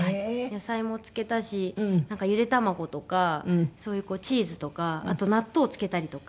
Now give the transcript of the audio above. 野菜も漬けたしなんかゆで卵とかそういうチーズとかあと納豆を漬けたりとか。